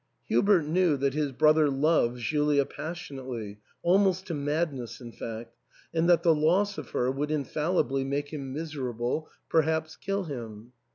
Hubert knew that his brother loved Julia passionately, almost to madness in fact, and that the loss of her would infallibly make him miserable, THE EI^TAIL. 315 perhaps kill him.